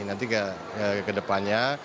nanti ke depannya